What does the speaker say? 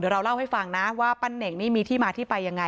เราเล่าให้ฟังนะว่าปั้นเน่งนี่มีที่มาที่ไปยังไง